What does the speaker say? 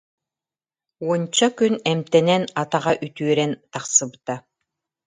Уонча күн эмтэнэн атаҕа үтүөрэн тахсыбыта